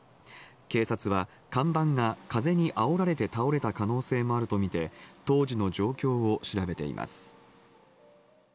警察は看板が風にあおられて倒れた可能性もあるとみて、当時の状況を調べています。